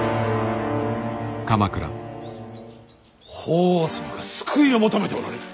法皇様が救いを求めておられる。